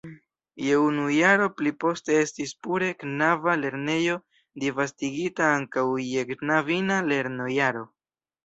Je unu jaro pli poste estis pure knaba lernejo disvastigita ankaŭ je knabina lernojaro.